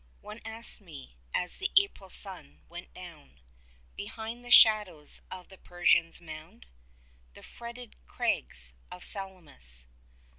One asked me, as the April sun went down Behind the shadows of the Persian's mound, The fretted crags of Salamis.